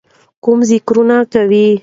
کوم ذِکرونه کوئ،